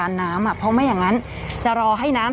กรมป้องกันแล้วก็บรรเทาสาธารณภัยนะคะ